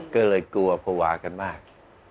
ก็เลยกลัวภาวะกันมาก